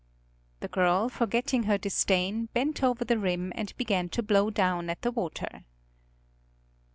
The girl, forgetting her disdain, bent over the rim and began to blow down at the water.